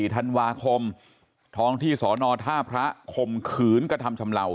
ธันวาคมท้องที่สอนอท่าพระคมขืนกระทำชำเหล่า